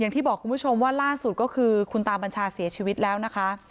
อย่างที่บอกคุณผู้ชมว่าล่าสุดก็คือคุณตาบัญชาเสียชีวิตแล้วนะคะ